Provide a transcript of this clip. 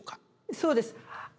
そうです。